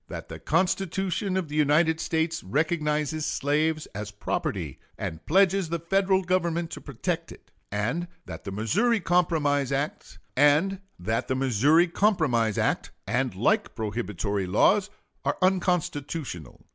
That the Constitution of the United States recognizes slaves as property, and pledges the Federal Government to protect it; and that the Missouri Compromise act and like prohibitory laws are unconstitutional.